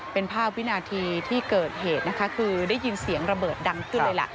เป็นภาพวินาทีที่เกิดเหตุนะคะคือได้ยินเสียงระเบิดดังขึ้นเลยล่ะ